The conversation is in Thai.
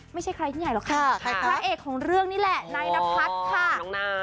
ไม่ใช่ใครที่ใหญ่หรอกค่ะพระเอกของเรื่องนี่แหละนายนพัฒน์ค่ะ